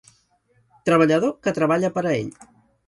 Treballador que treballa per a ell.